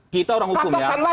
kita orang hukum ya